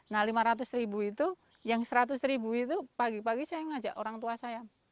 nah lima ratus ribu itu yang seratus ribu itu pagi pagi saya ngajak orang tua saya